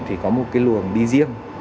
thì có một cái luồng đi riêng